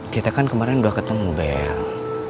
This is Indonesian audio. kita kan kemarin udah ketemu bel